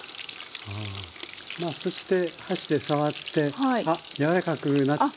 まあそして箸で触ってあっやわらかくなってるかな。